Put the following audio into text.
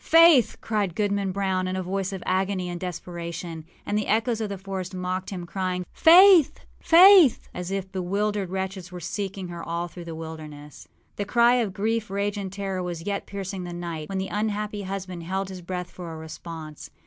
âFaith!â shouted Goodman Brown, in a voice of agony and desperation; and the echoes of the forest mocked him, crying, âFaith! Faith!â as if bewildered wretches were seeking her all through the wilderness. The cry of grief, rage, and terror was yet piercing the night, when the unhappy husband held his breath for a response.